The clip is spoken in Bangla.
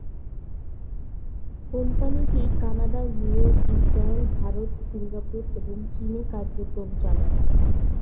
কোম্পানিটি Canada, Europe, Israel, Bharat, Singapore এবং চীনে কার্যক্রম চালায়।